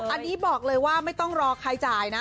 อันนี้บอกเลยว่าไม่ต้องรอใครจ่ายนะ